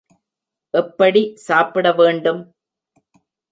எப்படி சாப்பிட வேண்டும்?